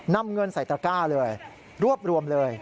นำเงินใส่ตระก้าเลยรวบรวมเลย